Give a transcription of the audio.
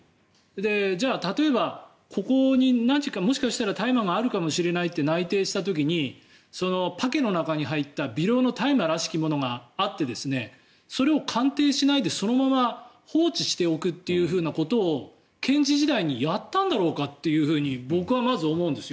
で、例えばここに何か大麻があるかもしれないと内定した時にパケの中に入った微量の大麻らしきものがあってそれを鑑定しないで、そのまま放置しておくということを検事時代にやったんだろうかと僕はまず思うんですよ。